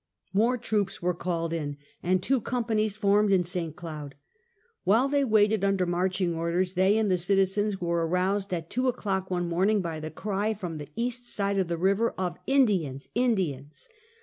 More troops were called for, and two companies formed in St. Cloud. While they waited under march ing orders, they and the citizens were aroused at two o'clock one morning by the cry from the east side of the river of, " Indians, Indians."